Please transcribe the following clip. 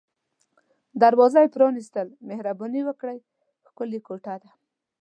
دروازه یې پرانیستل، مهرباني وکړئ، ښکلې کوټه ده.